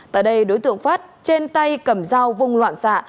tại đây đối tượng phát trên tay cầm dao vung loạn xạ